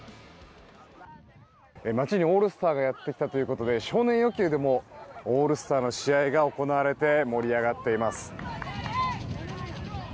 街にオールスターがやって来たということで少年野球でもオールスターの試合が行われて盛り上がっています。